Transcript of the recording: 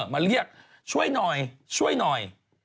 มาเรียกช่วยหน่อยช่วยหน่อย